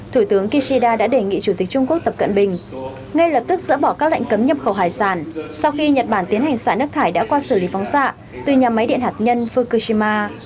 thủ tướng kishida đã đề nghị chủ tịch trung quốc tập cận bình ngay lập tức dỡ bỏ các lệnh cấm nhập khẩu hải sản sau khi nhật bản tiến hành xả nước thải đã qua xử lý phóng xạ từ nhà máy điện hạt nhân fukushima